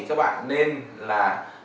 các bạn nên là